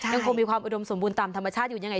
ยังคงมีความอุดมสมบูรณ์ตามธรรมชาติอยู่ยังไง